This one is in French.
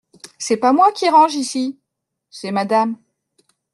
C’est pas moi qui range ici !… c’est Madame.